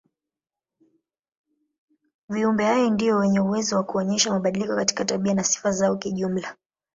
Viumbe hai ndio wenye uwezo wa kuonyesha mabadiliko katika tabia na sifa zao kijumla.